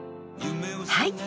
はい。